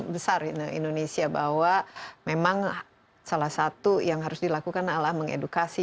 besar indonesia bahwa memang salah satu yang harus dilakukan adalah mengedukasi